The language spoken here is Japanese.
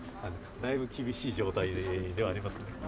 だいぶ厳しい状態ではあります。